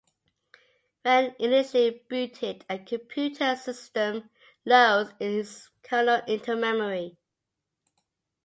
When initially booted, a computer system loads its kernel into memory.